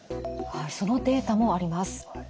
そのデータもあります。